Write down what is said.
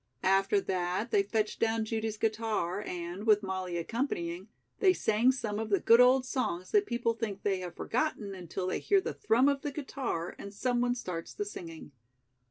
After that they fetched down Judy's guitar and, with Molly accompanying, they sang some of the good old songs that people think they have forgotten until they hear the thrum of the guitar and someone starts the singing.